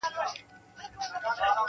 پټ راته مغان په لنډه لار کي راته وویل-